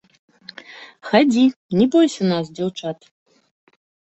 Хадзі, не бойся нас, дзяўчат!